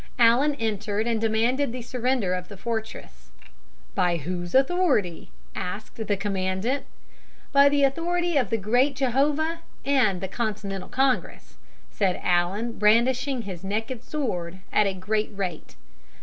Allen entered and demanded the surrender of the fortress. "By whose authority?" asked the commandant. "By the authority of the Great Jehovah and the Continental Congress," said Allen, brandishing his naked sword at a great rate.